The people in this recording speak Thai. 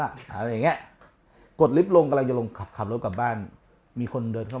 ล่ะอะไรเงี้ยกดลิฟท์ลงกำลังจะลงขับรถกลับบ้านมีคนเดินเข้า